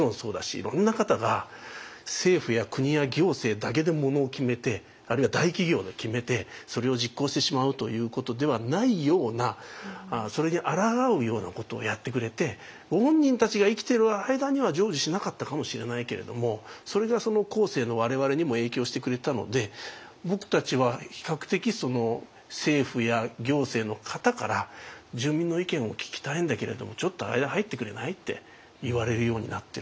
いろんな方が政府や国や行政だけでものを決めてあるいは大企業で決めてそれを実行してしまうということではないようなそれにあらがうようなことをやってくれてご本人たちが生きている間には成就しなかったかもしれないけれどもそれが後世の我々にも影響してくれたので僕たちは比較的政府や行政の方から「住民の意見を聞きたいんだけれどもちょっと間入ってくれない？」って言われるようになってる。